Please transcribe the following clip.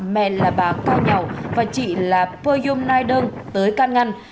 mẹ là bà cai nhậu và chị là poyum naidong tới can ngăn